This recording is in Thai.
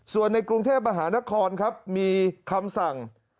ส่วนในกรุงเทพมหานครครับมีคำสั่ง